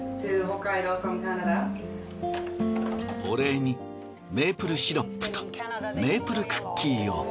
お礼にメープルシロップとメープルクッキーを。